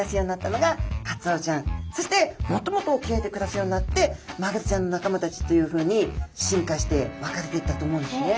そしてもっともっと沖合で暮らすようになってマグロちゃんの仲間たちというふうに進化して分かれていったと思うんですね。